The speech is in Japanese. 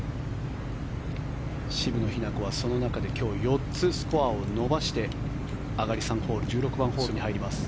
渋野日向子はその中で今日４つスコアを伸ばして上がり３ホール、１６番ホールに入ります。